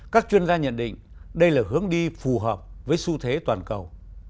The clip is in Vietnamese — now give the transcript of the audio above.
các chuyên gia nhận định đây là hướng đi phù hợp với xu thế toàn cầu